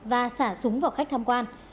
và xả súng vào khách tham quan